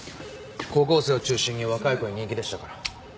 高校生を中心に若い子に人気でしたから。